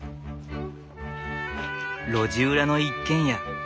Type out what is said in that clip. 路地裏の一軒家。